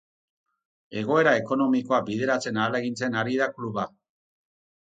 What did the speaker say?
Egoera ekonomikoa bideratzen ahalegintzen ari da kluba.